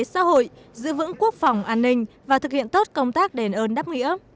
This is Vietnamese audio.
xã hội giữ vững quốc phòng an ninh và thực hiện tốt công tác đền ơn đáp nghĩa